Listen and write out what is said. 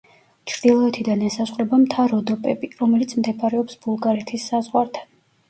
ჩრდილოეთიდან ესაზღვრება მთა როდოპები, რომელიც მდებარეობს ბულგარეთის საზღვართან.